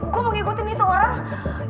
gue mau ngikutin itu orang